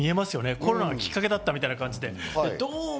コロナがきっかけだったみたいな感じで。